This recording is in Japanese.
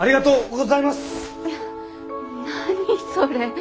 何それ。